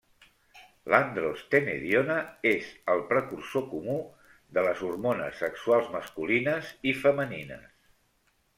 L'androstenediona és el precursor comú de les hormones sexuals masculines i femenines.